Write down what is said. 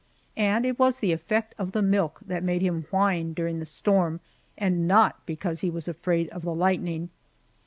And it was the effect of the milk that made him whine during the storm, and not because he was afraid of the lightning.